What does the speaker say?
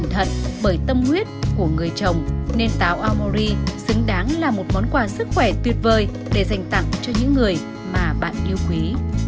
thật bởi tâm huyết của người chồng nên táo aomori xứng đáng là một món quà sức khỏe tuyệt vời để dành tặng cho những người mà bạn yêu quý